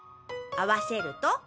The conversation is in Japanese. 合わせると？